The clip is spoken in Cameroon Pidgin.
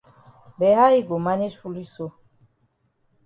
But how yi go manage foolish so?